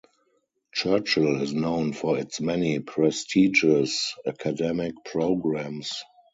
Churchill is known for its many prestigious academic programs.